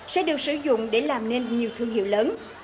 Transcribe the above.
sẽ được sử dụng để làm nên nhiều thương hiệu lớn